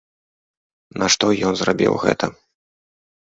Нашто ён зрабіў гэта?